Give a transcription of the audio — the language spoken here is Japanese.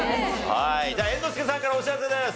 はいじゃあ猿之助さんからお知らせです。